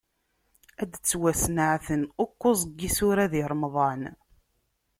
Ad d-ttwasneɛten ukkuẓ n yisura di Remḍan.